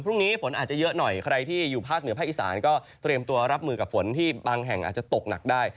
พรุ่งนี้ฝนอาจจะเยอะหน่อยใครที่อยู่ภาคเหนือภาคอีสานก็เตรียมตัวรับมือกับฝนที่บางแห่งอาจจะตกหนักได้